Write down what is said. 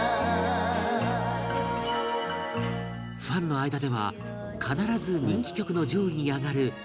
ファンの間では必ず人気曲の上位に挙がる